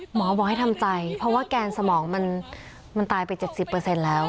หมอบอกให้ทำใจเพราะว่าแกนสมองมันมันตายไปเจ็ดสิบเปอร์เซ็นต์แล้ว